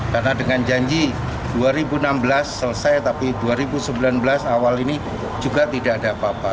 karena dengan janji dua ribu enam belas selesai tapi dua ribu sembilan belas awal ini juga tidak ada apa apa